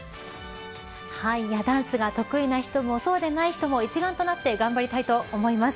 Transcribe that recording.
はい、ダンスが得意な人もそうでない人も一丸となって頑張りたいと思います。